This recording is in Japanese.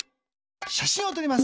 しゃしんをとります。